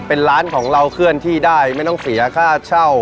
เป็นร้านของเราเคลื่อนที่ได้ไม่ต้องเสียค่าเช่า